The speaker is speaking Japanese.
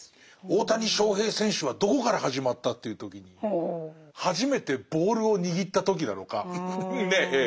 大谷翔平選手はどこから始まったっていう時に初めてボールを握った時なのかねえ